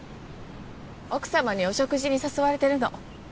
奥さまにお食事に誘われてるの。